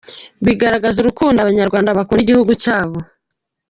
Bigaragaza urukundo Abanyarwanda bakunda igihugu cyabo.